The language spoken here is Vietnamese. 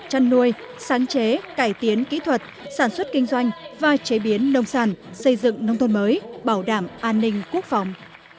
chăn nuôi sáng chế cải tiến kỹ thuật sản xuất kinh doanh và chế biến nông sản xây dựng nông thôn mới bảo đảm an ninh quốc phòng